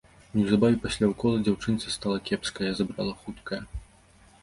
Неўзабаве пасля ўкола дзяўчынцы стала кепска, яе забрала хуткая.